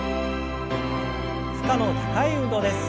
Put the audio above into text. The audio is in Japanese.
負荷の高い運動です。